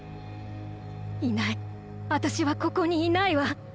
いないあたしはここにいないわ。